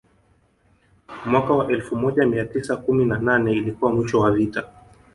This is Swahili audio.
Mwaka wa elfu moja mia tisa kumi na nane ilikuwa mwisho wa vita